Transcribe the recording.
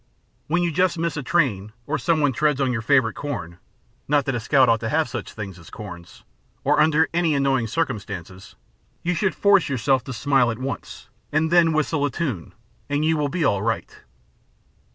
When you just miss a train, or some one treads on your favorite corn ŌĆö not that a scout ought to have such things as corns ŌĆö or under any annoying circumstances, you should force yourself to smile at once, and then whistle a tune, and you will be all right.